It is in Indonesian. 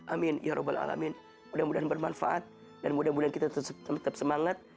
amin ya rabbal alamin mudah mudahan bermanfaat dan mudah mudahan kita tetap semangat